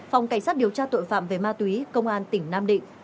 phòng cảnh sát điều tra tội phạm về ma túy công an tỉnh nam định